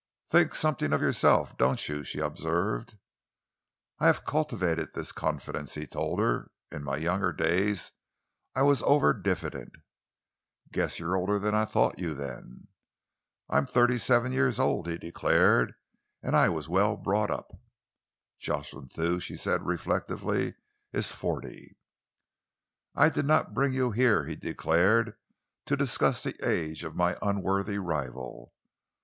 "Think something of yourself, don't you?" she observed. "I have cultivated this confidence," he told her. "In my younger days I was over diffident." "Guess you're older than I thought you, then." "I am thirty seven years old," he declared, "and I was well brought up." "Jocelyn Thew," she said reflectively, "is forty." "I did not bring you here," he declared, "to discuss the age of my unworthy rival.